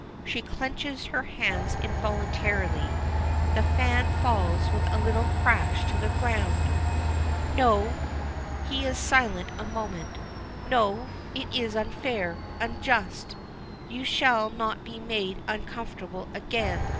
She clenches her hands involuntarily. The fan falls with a little crash to the ground. "No." He is silent a moment, "No it is unfair unjust! You shall not be made uncomfortable again.